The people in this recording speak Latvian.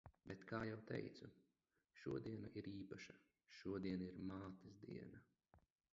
Bet kā jau teicu, šodiena ir īpaša – šodien ir Mātes diena.